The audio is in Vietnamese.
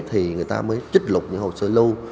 thì người ta mới trích lục những hồ sơ lưu